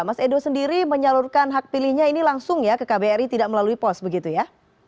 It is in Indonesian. mas edo sendiri menyalurkan hak pilihnya ini langsung ya ke kbri tidak melalui pos begitu ya